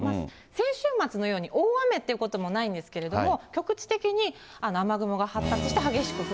先週末のように大雨ということもないんですけれども、局地的に雨雲が発達して激しく降ると。